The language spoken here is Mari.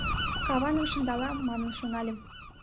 «Каваным шындалам» ман шональым -